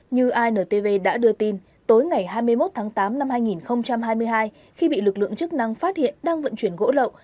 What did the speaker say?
như intv đã đưa tin tối ngày hai mươi một tháng tám năm hai nghìn hai mươi hai khi bị lực lượng chức năng phát hiện đang vận chuyển gỗ lậu